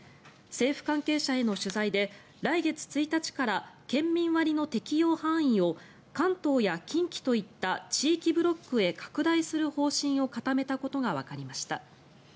政府関係者への取材で来月１日から県民割の適用範囲を関東や近畿といった地域ブロックへ拡大する方針を固めたことがわかりました。